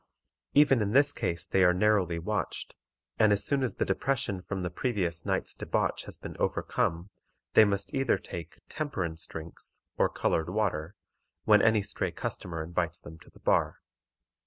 Even in this case they are narrowly watched, and as soon as the depression from the previous night's debauch has been overcome, they must either take "temperance drinks," or colored water, when any stray customer invites them to the bar.